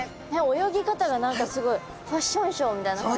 泳ぎ方が何かすごいファッションショーみたいな感じ。